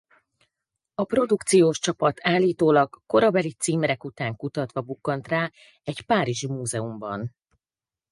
A produkciós csapat állítólag korabeli címerek után kutatva bukkant rá egy párizsi múzeumban.